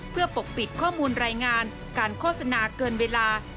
เพื่อปกปิดข้อมูลรายงานการโฆษณาเกินเวลา